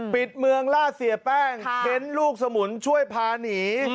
ปิดเมืองล่าเสียแป้งเค้นลูกสมุนช่วยพาหนี